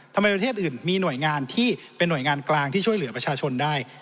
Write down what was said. ประเทศอื่นมีหน่วยงานที่เป็นหน่วยงานกลางที่ช่วยเหลือประชาชนได้